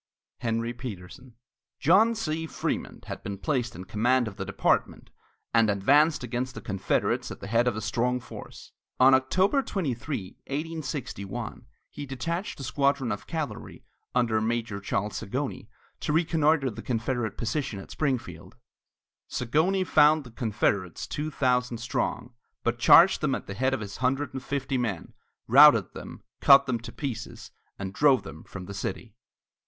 HENRY PETERSON. John C. Frémont had been placed in command of the department and advanced against the Confederates at the head of a strong force. On October 23, 1861, he detached a squadron of cavalry under Major Charles Zagonyi to reconnoitre the Confederate position at Springfield. Zagonyi found the Confederates two thousand strong, but charged them at the head of his hundred and fifty men, routed them, cut them to pieces, and drove them from the city.